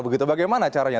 begitu bagaimana caranya